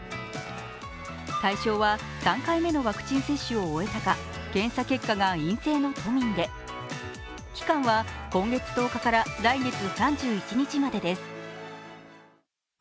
対象は３回目のワクチン接種を終えたか検査結果が陰性の都民で、期間は今月１０日から来月３１日までです。